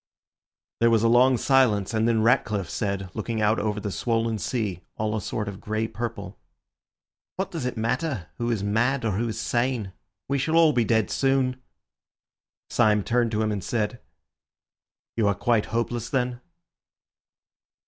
There was a long silence, and then Ratcliffe said, looking out over the swollen sea, all a sort of grey purple— "What does it matter who is mad or who is sane? We shall all be dead soon." Syme turned to him and said— "You are quite hopeless, then?"